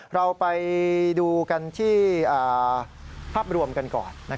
เราไปดูกันที่ภาพรวมกันก่อน